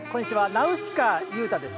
ナウシカ裕太です。